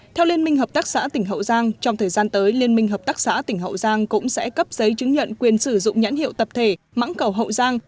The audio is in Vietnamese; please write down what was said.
theo liên minh hợp tác xã tỉnh hậu giang trong thời gian tới liên minh hợp tác xã tỉnh hậu giang cũng sẽ cấp giấy chứng nhận quyền sử dụng nhãn hiệu tập thể mắng cầu hậu giang